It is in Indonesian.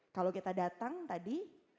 kalau kita datang tadi